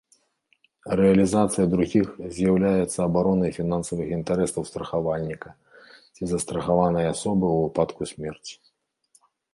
Рэалізацыя другіх з'яўляецца абаронай фінансавых інтарэсаў страхавальніка ці застрахаванай асобы ў выпадку смерці.